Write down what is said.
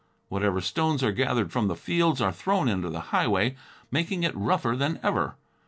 Whatever stones are gathered from the fields are thrown into the highway, making it rougher than ever.